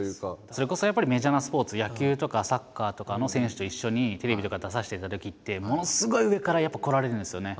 それこそメジャーなスポーツ野球とかサッカーとかの選手と一緒にテレビとか出させていただいたときってものすごい上からやっぱこられるんですよね。